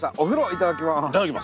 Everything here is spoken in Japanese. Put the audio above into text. いただきます。